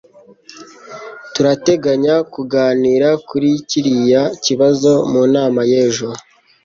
Turateganya kuganira kuri kiriya kibazo mu nama y'ejo